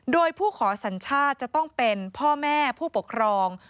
โดยผู้ขอสัญชาติจะต้องเป็นพ่อแม่ผู้ปกครอง